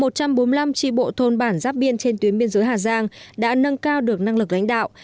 một trăm bốn mươi năm tri bộ thôn bản giáp biên trên tuyến biên giới hà giang đã nâng cao được năng lực lãnh đạo